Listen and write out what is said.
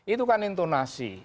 itu kan intonasi